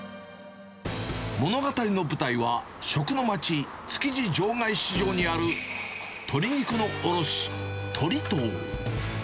物語の舞台は食の街、築地場外市場にある鶏肉の卸、鳥藤。